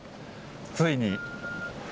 ついに。